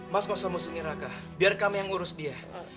mas gak usah musuhin raka biar kami yang ngurus dia